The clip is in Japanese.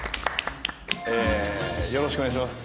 えーよろしくお願いします。